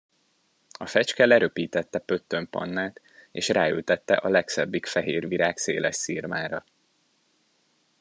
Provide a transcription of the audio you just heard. A fecske leröpítette Pöttöm Pannát, és ráültette a legszebbik fehér virág széles szirmára.